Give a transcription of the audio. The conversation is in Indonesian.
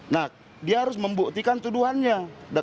nah dia harus membuktikan tuduhannya